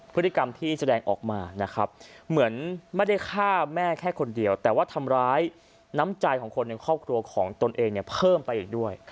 พฤติกรรมที่แสดงออกมานะครับเหมือนไม่ได้ฆ่าแม่แค่คนเดียวแต่ว่าทำร้ายน้ำใจของคนในครอบครัวของตนเองเนี่ยเพิ่มไปอีกด้วย